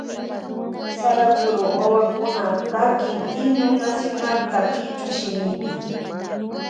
Saraguro wawakuna takin himno nacionalta kichwa shimipi.